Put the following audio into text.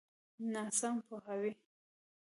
ناسم پوهاوی.